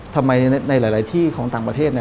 ทำไมในหลายที่ของต่างประเทศ